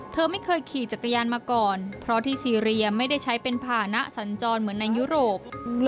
เธอไม่เคยขี่จักรยานมาก่อนเพราะที่ซีเรียไม่ได้ใช้เป็นภานะสัญจรเหมือนในยุโรป